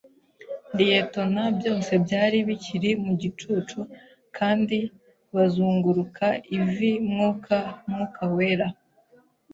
liyetona, byose byari bikiri mu gicucu, kandi bazunguruka ivi-mwuka mwuka wera